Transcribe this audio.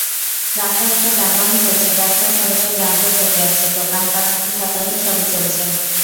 রাস্তাঘাটে যানবাহন চলছে, ব্যস্ত সড়কে যানজট লেগে যাচ্ছে, দোকানপাট, অফিস-আদালত সবই চলছে।